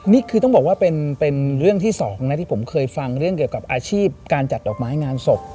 นี่คือต้องบอกว่าเป็นเรื่องที่สองนะที่ผมเคยฟังเรื่องเกี่ยวกับอาชีพการจัดดอกไม้งานศพ